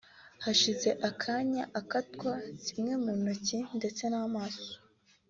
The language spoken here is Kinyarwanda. hashize akanya akatwa zimwe mu ntoki ndetse n’amano